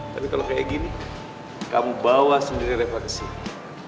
tapi kalau kayak gini kamu bawa sendiri rema ke sini